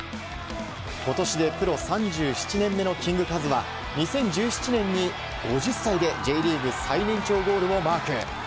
今年でプロ３７年目のキングカズは２０１７年に５０歳でＪリーグ最年長ゴールをマーク。